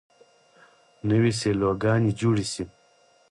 نوې سیلوګانې جوړې شي.